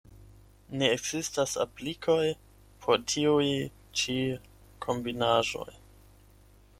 Ne ekzistas aplikoj por tiuj ĉi kombinaĵoj.